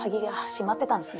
閉まってたんですね。